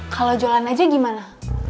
kalau jualan aja gimana